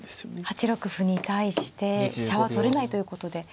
８六歩に対して飛車は取れないということで。